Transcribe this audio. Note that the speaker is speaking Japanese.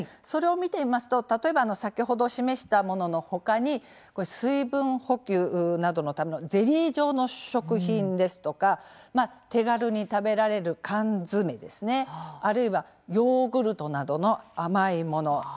それを見てみますと例えば先ほど示したもののほかに水分補給などのためのゼリー状の食品ですとか手軽に食べられる缶詰あるいはヨーグルトなどの甘いもの。